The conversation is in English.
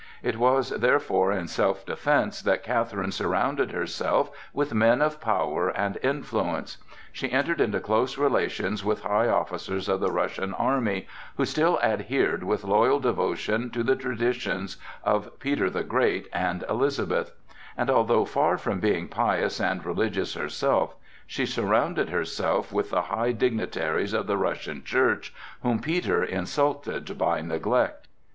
It was therefore in self defence that Catherine surrounded herself with men of power and influence. She entered into close relations with high officers of the Russian army, who still adhered with loyal devotion to the traditions of Peter the Great and Elizabeth; and although far from being pious and religious herself, she surrounded herself with the high dignitaries of the Russian Church, whom Peter insulted by neglect.